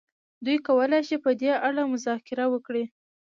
دوی کولای شي په دې اړه مذاکره وکړي.